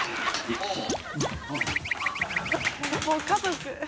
もう家族。